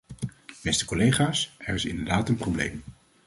Beste collega's, er is inderdaad een probleem.